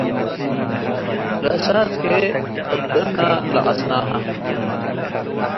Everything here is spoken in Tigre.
ለእሳት ህዬ እብ ክእና ለአቀስናሀ ።